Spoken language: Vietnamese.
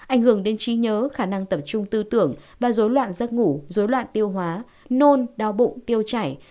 ảnh hưởng đến trí nhớ khả năng tập trung tư tưởng và dối loạn giấc ngủ dối loạn tiêu hóa nôn đau bụng tiêu chảy